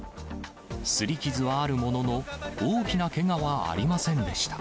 すり傷はあるものの、大きなけがはありませんでした。